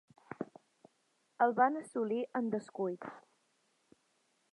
El van assolir en descuit.